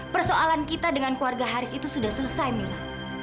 persoalan kita dengan keluarga haris itu sudah selesai mila